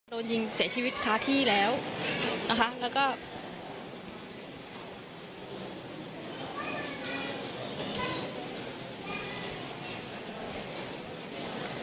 โดนยิงเสียชีวิตค้าที่แล้วนะคะแล้วก็